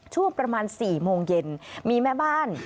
ช่วงประมาณ๔โมงเย็นมีแม่บ้าน